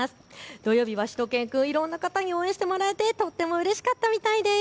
土曜日はしゅと犬くん、いろんな方に応援してもらえてとてもうれしかったみたいです。